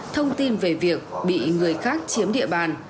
thông tin về việc bị người khác chiếm địa bàn